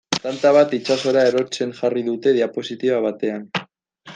Tanta bat itsasora erortzen jarri dute diapositiba batean.